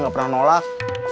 gak pernah nolak